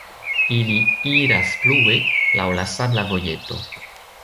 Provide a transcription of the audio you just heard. Ili iras plue laŭ la sabla vojeto.